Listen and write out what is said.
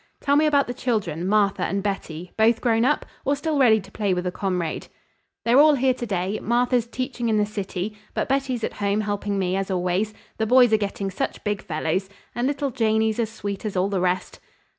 "Tell me about the children, Martha and Betty; both grown up? Or still ready to play with a comrade?" "They're all here to day. Martha's teaching in the city, but Betty's at home helping me, as always. The boys are getting such big fellows, and little Janey's as sweet as all the rest."